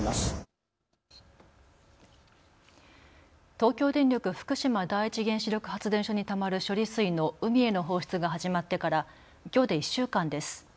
東京電力福島第一原子力発電所にたまる処理水の海への放出が始まってからきょうで１週間です。